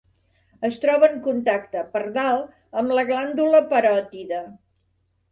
Es troba en contacte, per dalt, amb la glàndula paròtide.